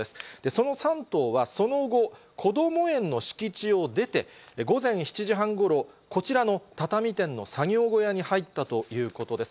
その３頭は、その後、こども園の敷地を出て、午前７時半ごろ、こちらの畳店の作業小屋に入ったということです。